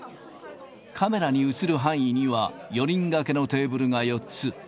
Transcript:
カメラに写る範囲には、４人掛けのテーブルが４つ。